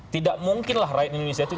tidak mungkin lah rakyat indonesia itu